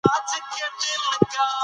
ورځ تر بلې مې وجود له مستۍ لویږي.